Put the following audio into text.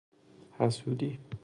حسودی